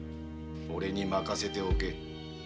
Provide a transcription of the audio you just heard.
俺に任せておけ。